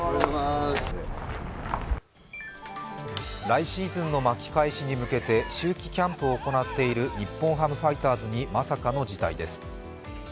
来シーズンの巻き返しに向けて秋季キャンプを行っている日本ハムファイターズに、まさかの事態です。